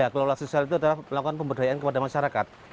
kelola sosial itu adalah melakukan pemberdayaan kepada masyarakat